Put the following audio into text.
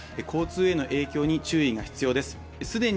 交通への影響に注意が必要です。